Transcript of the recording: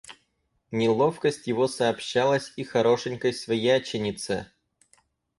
Неловкость его сообщалась и хорошенькой свояченице.